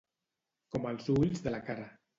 Com els ulls de la cara.